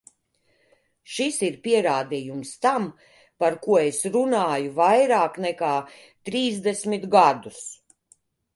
Šis ir pierādījums tam, par ko es runāju vairāk nekā trīsdesmit gadus.